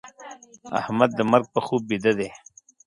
احمد د مرګ په خوب بيده دی.